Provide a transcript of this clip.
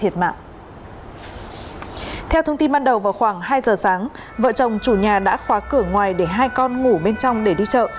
vào khoảng hai giờ sáng vợ chồng chủ nhà đã khóa cửa ngoài để hai con ngủ bên trong để đi chợ